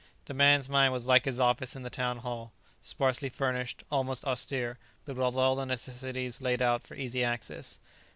The man's mind was like his office in the Town Hall: sparsely furnished, almost austere, but with all the necessaries laid out for easy access.